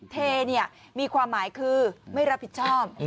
เทมีความหมายคือไม่รับผิดชอบ